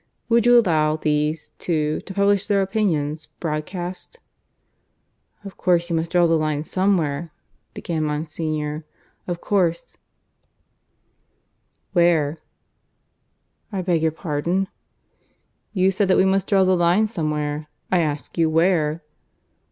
Would you allow these, too, to publish their opinions broadcast?" "Of course, you must draw the line somewhere," began Monsignor. "Of course " "Where?" "I beg your pardon?" "You said that we must draw the line somewhere. I ask you where?"